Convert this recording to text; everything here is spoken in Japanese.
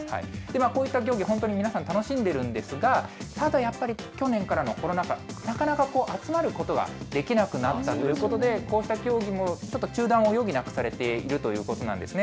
こういった競技、本当に皆さん、楽しんでるんですが、ただやっぱり、去年からのコロナ禍、なかなか集まることができなくなったということで、こうした競技もちょっと中断を余儀なくされているということなんですね。